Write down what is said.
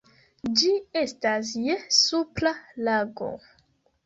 Ĝi estas je Supra Lago.